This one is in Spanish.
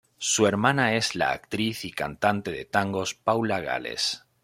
Su hermana es la actriz y cantante de tangos Paula Gales.